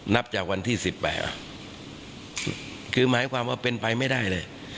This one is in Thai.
นับจากวันที่๑๘คือหมายความว่าเป็นไปไม่ได้เลย